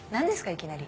いきなり。